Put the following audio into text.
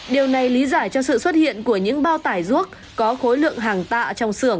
điều này lý giải cho sự xuất hiện của những bao tải ruốc có khối lượng hàng tạ trong xưởng